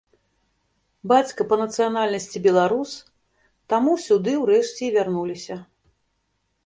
Бацька па нацыянальнасці беларус, таму сюды ўрэшце і вярнуліся.